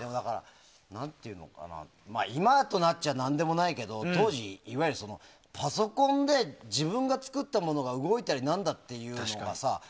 今となっちゃ何でもないけど当時、いわゆるパソコンで自分がつくったものが動いたりなんだっていうのがさ